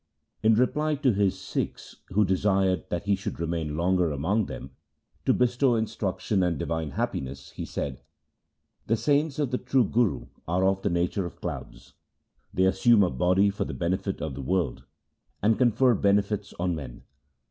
In reply to his Sikhs, who desired that he should remain longer among them to bestow instruction and divine happiness, he said, ' The saints of the true Guru are of the nature of clouds. They assume a body for the benefit of the world, and confer benefits on men.